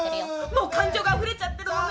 ・もう感情があふれちゃってるのね！